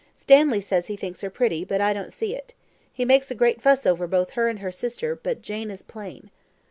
Stanley says he thinks her pretty, but I don't see it. He makes a great fuss over both her and her sister, but Jane is plain."